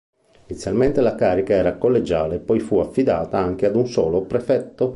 Inizialmente la carica era collegiale, poi fu affidata anche ad un solo prefetto.